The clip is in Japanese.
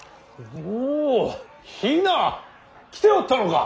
おお比奈！来ておったのか。